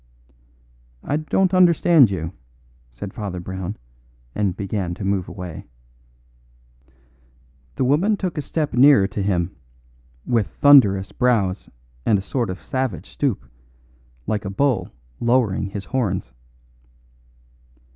"I don't understand you," said Father Brown, and began to move away. The woman took a step nearer to him, with thunderous brows and a sort of savage stoop, like a bull lowering his horns.